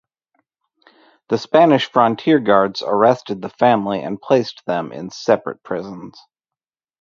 The Spanish frontier guards arrested the family and placed them in separate prisons.